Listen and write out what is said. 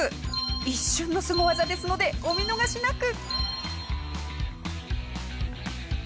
一瞬のスゴ技ですのでお見逃しなく。